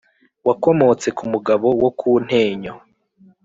Wakomotse ku mugabo wo ku Ntenyo